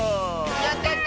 やった！